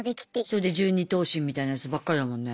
それで１２頭身みたいなやつばっかりだもんね。